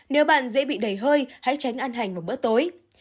nếu bạn dễ bị đầy hơi hãy tránh ăn hành vào bữa tối